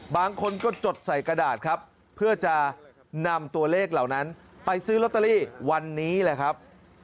บางคนก็จดใส่กระดาษครับเพื่อจะนำตัวเลขเหล่านั้นไปซื้อลอตเตอรี่วันนี้แหละครับ